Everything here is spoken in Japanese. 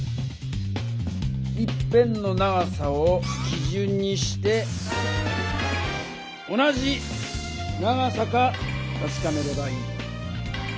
一辺の長さをきじゅんにして同じ長さかたしかめればいい。